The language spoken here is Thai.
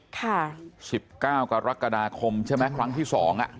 ค่ะ๑๙กรกฎาคมใช่ไหมครั้งที่สอง